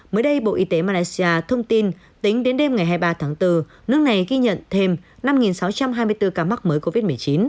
mới đây bộ y tế malaysia thông tin tính đến đêm ngày hai mươi ba tháng bốn nước này ghi nhận thêm năm sáu trăm hai mươi bốn ca mắc mới covid một mươi chín